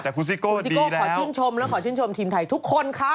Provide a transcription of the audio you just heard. แต่คุณซิโก้คุณซิโก้ขอชื่นชมและขอชื่นชมทีมไทยทุกคนค่ะ